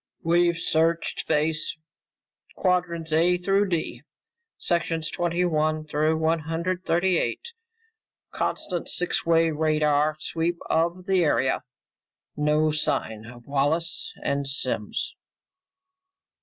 "We've searched space quadrants A through D, sections twenty one through one hundred thirty eight. Constant six way radar sweep of the area. No sign of Wallace and Simms."